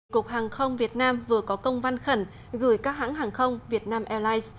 cục hàng không việt nam vừa có công văn khẩn gửi các hãng hàng không việt nam airlines